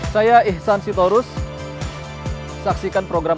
tapi akan beranda tangan